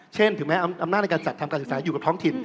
เช่นถึงแม้อำนาจในการจัดธรรมศาสตร์อยู่กับท้องถิ่น